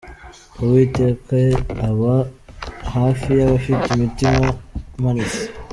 Uwiteka aba hafi y’abafite imitima imenetse.